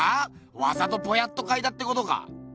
わざとぼやっと描いたってことか。